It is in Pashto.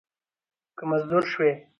که مزدور شوې